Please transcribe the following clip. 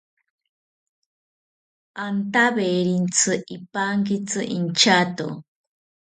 Antawerintzi ipankitzi inchato